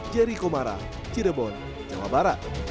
jerry komara cirebon jawa barat